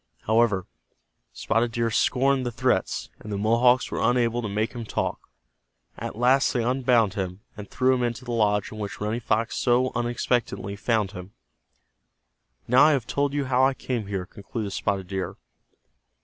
However, Spotted Deer scorned the threats, and the Mohawks were unable to make him talk. At last they unbound him, and threw him into the lodge in which Running Fox so unexpectedly found him. "Now I have told you how I came here," concluded Spotted Deer.